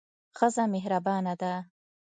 ښځه مهربانه ده.